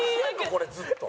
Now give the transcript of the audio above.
これずっと。